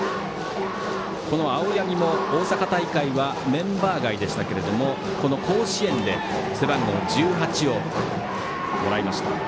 この青柳も大阪大会はメンバー外でしたけれどもこの甲子園で背番号１８をもらいました。